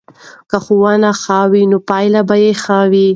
که ښوونه ښه وي نو پایله به ښه وي.